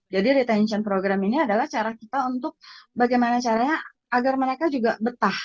jadi retention program ini adalah cara kita untuk bagaimana caranya agar mereka juga betah di perusahaan kita